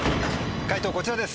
解答こちらです。